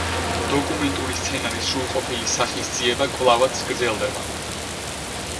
დოკუმენტური სცენარის სრულყოფილი სახის ძიება კვლავაც გრძელდება.